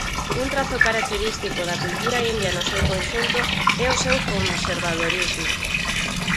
Un trazo característico da cultura india no seu conxunto é o seu conservadorismo.